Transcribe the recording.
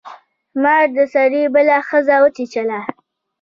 مار د سړي بله ښځه وچیچله.